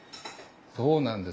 そうなんです。